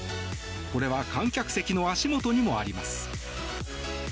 これは観客席の足元にもあります。